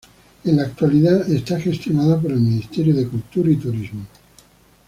En la actualidad es gestionada por el Ministerio de Cultura y Turismo.